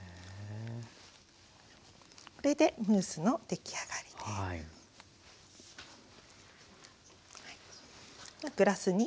これでムースの出来上がりです。